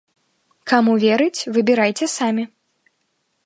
Каму верыць, выбірайце самі.